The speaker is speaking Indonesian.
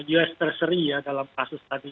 us treasury ya dalam kasus tadi